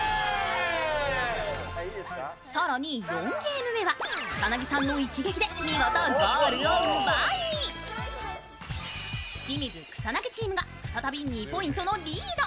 更に４ゲーム目は草薙さんの一撃で見事ゴールを奪い清水・草薙チームが再び２ポイントのリード。